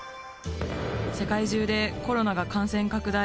世界中でコロナが感染拡大。